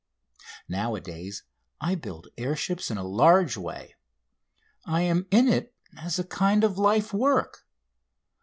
Nowadays I build air ships in a large way. I am in it as a kind of lifework.